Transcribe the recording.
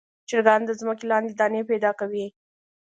چرګان د ځمکې لاندې دانې پیدا کوي.